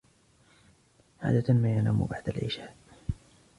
عادة ما ينام بعد العشاء.